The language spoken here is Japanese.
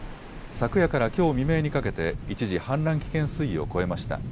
昨夜からきょう未明にかけて、一時、氾濫危険水位を超えました。